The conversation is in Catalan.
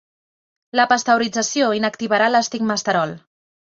La pasteurització inactivarà l'estigmasterol.